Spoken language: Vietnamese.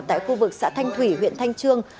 tại khu vực xã thanh thủy huyện thanh trương